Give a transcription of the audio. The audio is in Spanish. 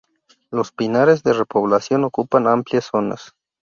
Los pinares de repoblación ocupan amplias zonas.